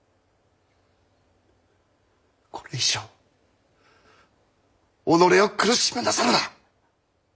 これ以上己を苦しめなさるな。